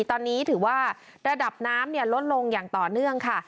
ตอนนี้ถือว่าระดับน้ำลดลงอย่างต่อเนื่องค่ะ